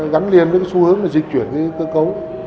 gắn liền với cái xu hướng di chuyển cơ cấu